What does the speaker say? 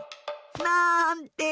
なんて。